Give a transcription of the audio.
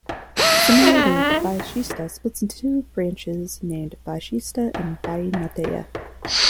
Similarly the Vasishta splits into two branches named Vasishta and Vainateya.